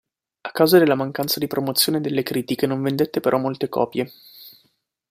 A causa della mancanza di promozione e delle critiche non vendette però molte copie.